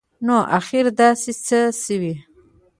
نو اخیر داسي څه شوي